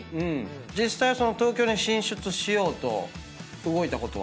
実際東京に進出しようと動いたことは？